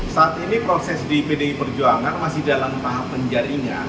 saat ini proses di pdi perjuangan masih dalam tahap penjaringan